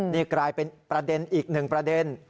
นี่กลายเป็นประเด็นอีกหนึ่งประเด็น